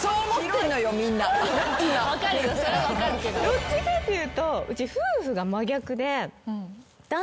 どっちかというとうち。